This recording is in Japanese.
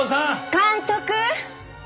監督！